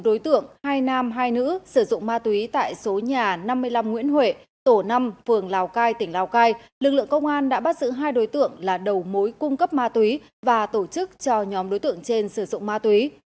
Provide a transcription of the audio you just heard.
đối tượng hai nam hai nữ sử dụng ma túy tại số nhà năm mươi năm nguyễn huệ tổ năm phường lào cai tỉnh lào cai lực lượng công an đã bắt giữ hai đối tượng là đầu mối cung cấp ma túy và tổ chức cho nhóm đối tượng trên sử dụng ma túy